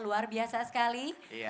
luar biasa sekali